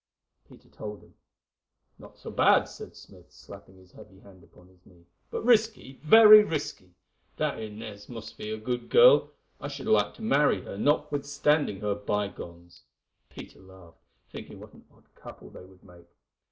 Peter told him. "Not so bad," said Smith, slapping his heavy hand upon his knee; "but risky—very risky. That Inez must be a good girl. I should like to marry her, notwithstanding her bygones." Peter laughed, thinking what an odd couple they would make.